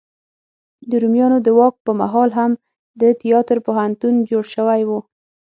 د رومیانو د واک په مهال هم د تیاتر پوهنتون جوړ شوی و.